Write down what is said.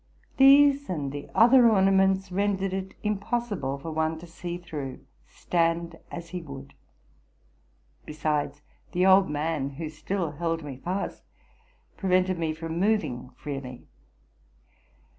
These, and the other ornaments, rendered it impossible for one to see through, stand as he would. Besides, the old man, who still held me fast, prevented me from moving freely.